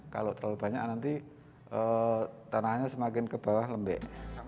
kalau terlalu banyak nanti tanahnya semakin ke bawah lembek